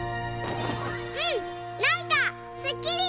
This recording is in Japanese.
うんなんかすっきり！